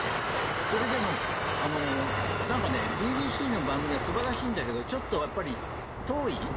それでもＢＢＣの番組は素晴らしいんだけどちょっとやっぱり遠い。